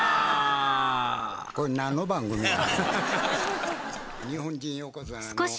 これ何の番組や？